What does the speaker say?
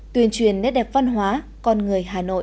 tuyên truyền nét đẹp văn hóa con người hà nội